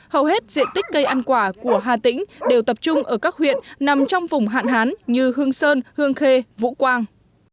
hầu hết diện tích cây ăn quả của hà tĩnh đều tập trung ở các huyện nằm trong vùng hạn hán như hương sơn hương khê vũ quang